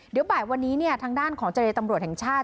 เดี๋ยวบ่ายวันนี้ทางด้านของเจรตำรวจแห่งชาติ